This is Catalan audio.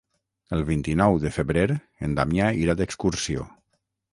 El vint-i-nou de febrer en Damià irà d'excursió.